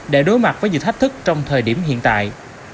để đối mặt với những thách thức trong thời điểm hiện tại